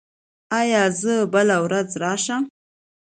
ایا زه بله ورځ راشم؟